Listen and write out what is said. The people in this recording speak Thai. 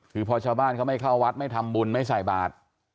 คือพอชาวบ้านเขาไม่เข้าวัดไม่ทำบุญไม่ใส่บาท